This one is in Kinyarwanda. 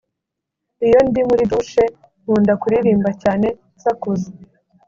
Iyo ndi muri ‘douche’ nkunda kuririmba cyane nsakuza